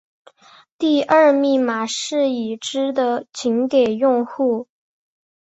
第二密码是已知的仅给用户。